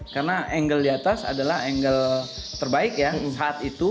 karena angle di atas adalah angle terbaik ya saat itu